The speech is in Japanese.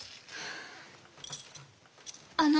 あの。